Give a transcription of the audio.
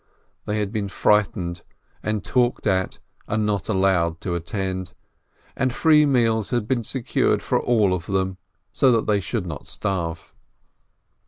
They had been frightened and talked at and not allowed to attend, and free meals had been secured for all of them, so that they should not starve.